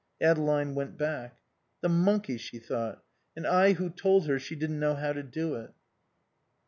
Adeline went back. "The monkey," she thought; "and I who told her she didn't know how to do it."